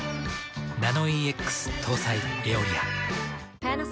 ナノイーＸ搭載「エオリア」。